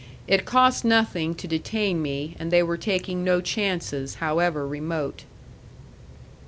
It cost nothing to detain me, and they were taking no chances, however remote.